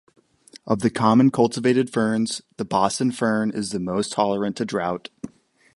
Of the common cultivated ferns, the Boston fern is the most tolerant to drought.